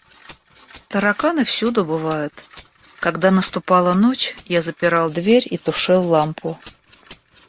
Тараканы всюду бывают; когда наступала ночь, я запирал дверь и тушил лампу.